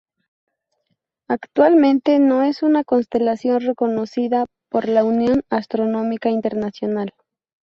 Actualmente no es una constelación reconocida por la Unión Astronómica Internacional.